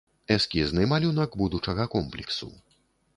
Эскізны малюнак будучага комплексу.